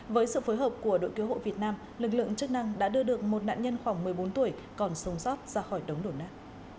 với sự phối hợp của đội cứu hộ việt nam lực lượng chức năng đã đưa được một nạn nhân khoảng một mươi bốn tuổi còn sống sót ra khỏi đống đổ nát